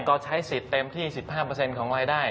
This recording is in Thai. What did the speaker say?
ก็ใช้สิทธิ์เต็มที่๑๕ของรายได้